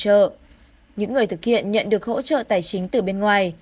trợ những người thực hiện nhận được hỗ trợ tài chính từ bên ngoài